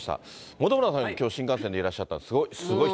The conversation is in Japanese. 本村さん、きょう新幹線でいらっしゃって、すごい人？